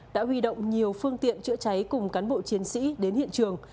đã huy động nhiều phương tiện chữa cháy cùng cán bộ chiến sĩ đến hiện trường